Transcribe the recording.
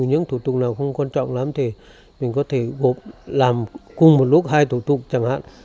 những thủ tục nào không quan trọng lắm thì mình có thể làm cùng một lúc hai thủ tục chẳng hạn